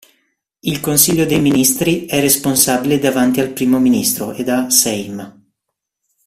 Il Consiglio dei ministri è responsabile davanti al primo ministro ed a Sejm.